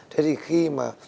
thế thì khi mà